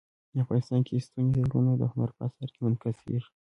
افغانستان کې ستوني غرونه د هنر په اثار کې منعکس کېږي.